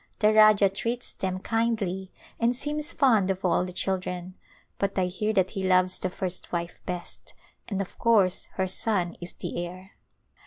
The Rajah treats them kindly and seems fond of all the children, but I hear that he loves the first wife best, and of course her son is the heir.